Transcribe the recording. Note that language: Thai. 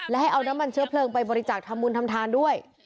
และให้เอาน้ำมันเชื้อเพลิงไปบริจาคทำบุญทำทานด้วย